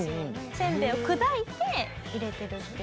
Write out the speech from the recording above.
せんべいを砕いて入れてるっていう。